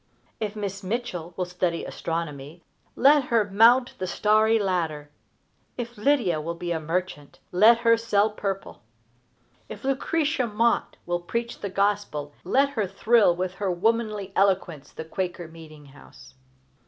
If Miss Mitchell will study astronomy, let her mount the starry ladder. If Lydia will be a merchant, let her sell purple. If Lucretia Mott will preach the Gospel, let her thrill with her womanly eloquence the Quaker meeting house.